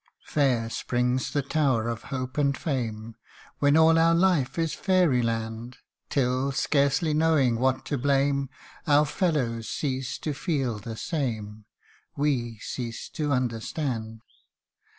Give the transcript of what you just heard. Fair springs the tower of hope and fame, When all our life is fairy land ; Till, scarcely knowing what to blame, Our fellows cease to feel the same We cease to understand.